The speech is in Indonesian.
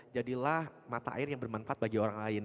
jadilah mata air yang bermanfaat bagi orang lain